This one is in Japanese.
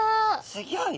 すギョい！